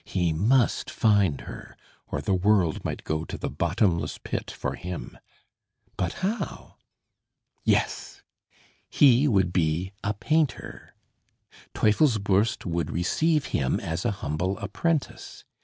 He must find her; or the world might go to the bottomless pit for him. But how? Yes. He would be a painter. Teufelsbürst would receive him as a humble apprentice.